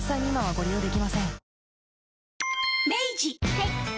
はい。